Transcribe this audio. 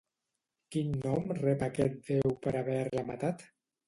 Quin nom rep aquest déu per haver-la matat?